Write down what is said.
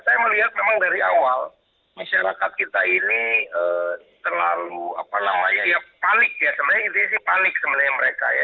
saya melihat memang dari awal masyarakat kita ini terlalu panik ya sebenarnya intinya sih panik sebenarnya mereka ya